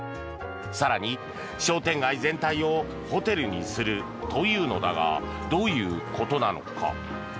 更に、商店街全体をホテルにするというのだがどういうことなのか。